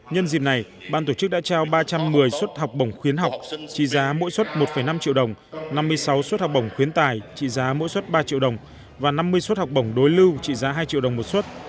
nhân dịp này ban tổ chức đã trao ba trăm một mươi suất học bổng khuyến học trị giá mỗi xuất một năm triệu đồng năm mươi sáu suất học bổng khuyến tài trị giá mỗi suất ba triệu đồng và năm mươi suất học bổng đối lưu trị giá hai triệu đồng một suất